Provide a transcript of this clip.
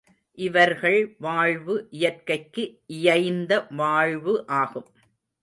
இவர்கள் வாழ்வு இயற்கைக்கு இயைந்த வாழ்வு ஆகும்.